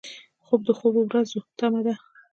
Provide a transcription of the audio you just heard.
خوب د خوبو ورځو تمه ده